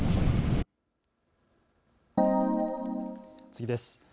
次です。